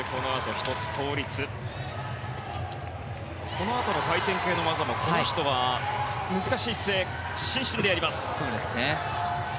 このあとの回転系の技もこの人は、難しい姿勢伸身でやります。